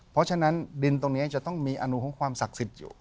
เพราะฉะนั้นดินตรงนี้จะต้องมีอนุของความศักดิ์สิทธิ์อยู่